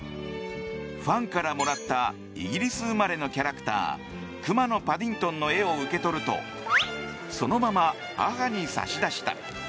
ファンからもらったイギリス生まれのキャラクターくまのパディントンの絵を受け取るとそのまま母に差し出した。